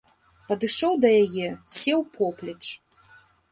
Падышоў да яе, сеў поплеч.